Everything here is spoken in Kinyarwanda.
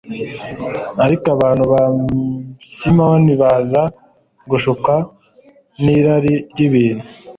ariko abantu ba simoni baza gushukwa n'irari ry'ibintu